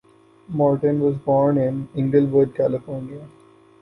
Morton was born in Inglewood, California.